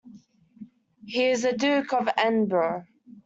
He is the Duke of Edinburgh.